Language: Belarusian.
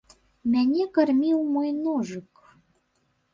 Мяне карміў мой ножык.